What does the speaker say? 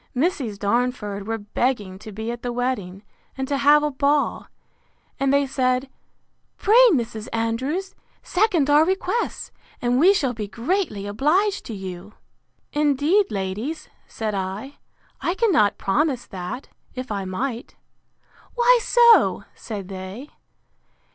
Misses Darnford were begging to be at the wedding, and to have a ball: and they said, Pray, Mrs. Andrews, second our requests, and we shall be greatly obliged to you. Indeed, ladies, said I, I cannot promise that, if I might.—Why so? said they.